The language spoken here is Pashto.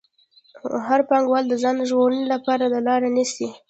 هر پانګوال د ځان ژغورنې لپاره دا لار نیسي